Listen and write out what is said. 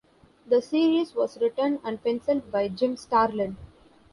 The series was written and pencilled by Jim Starlin.